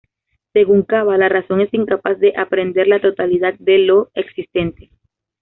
Según Caba, la razón es incapaz de aprehender la totalidad de lo existente.